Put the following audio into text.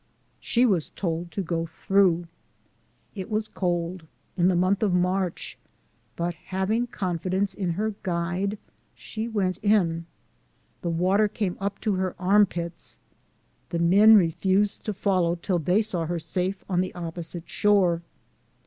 She was told to go through. It was cold, in the month of March; but having con fidence in her Guide, she went in ; the water came up to her arm pits ; the men refused to follow till they saw her safe on the opposite shore.